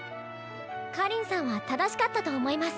果林さんは正しかったと思います。